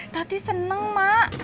tati seneng mak